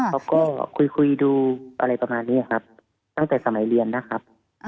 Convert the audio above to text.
เขาก็คุยดูอะไรประมาณนี้ครับตั้งแต่สมัยเรียนนะครับ